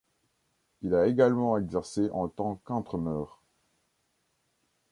Il a également exercé en tant qu'entraîneur.